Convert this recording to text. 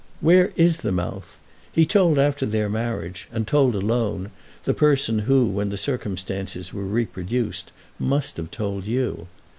Where is the mouth? He told after their marriage—and told alone—the person who, when the circumstances were reproduced, must have told you.